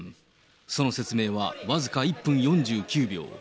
その説明は僅か１分４９秒。